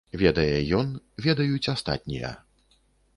Ведае ён, ведаюць астатнія.